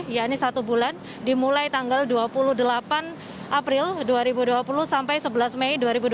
yakni satu bulan dimulai tanggal dua puluh delapan april dua ribu dua puluh sampai sebelas mei dua ribu dua puluh